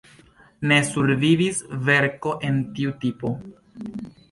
Ne survivis verko el tiu tipo.